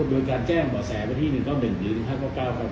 โดยการแจ้งหม่อแสวะที่๑๑๙๕๙ครับ